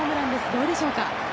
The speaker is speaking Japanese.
どうでしょうか？